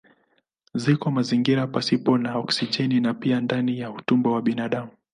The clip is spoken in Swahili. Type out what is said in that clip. Ziko mazingira pasipo na oksijeni na pia ndani ya utumbo wa binadamu.